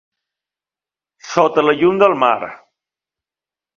"Sota la llum del mar"